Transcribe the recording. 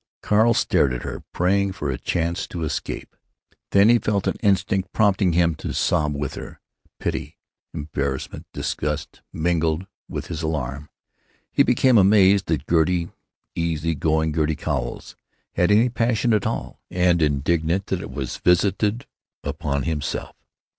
Carl stared at her, praying for a chance to escape. Then he felt an instinct prompting him to sob with her. Pity, embarrassment, disgust, mingled with his alarm. He became amazed that Gertie, easy going Gertie Cowles, had any passion at all; and indignant that it was visited upon himself.